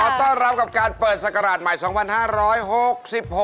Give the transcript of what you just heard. ขอต้อนรับกับการเปิดสกราชใหม่